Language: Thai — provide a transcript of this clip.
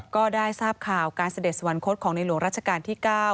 ก็ได้ทราบข่าวการเสด็จสวรรคตของในหลวงรัชกาลที่๙